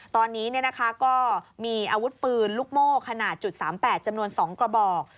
ตอนนี้ก็มีอาวุธปืนลูกโม่ขนาด๓๘จำนวน๒กระบอก